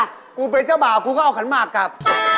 กูเป็นเจ้าบ่าวกูก็เอาขันหมากกลับ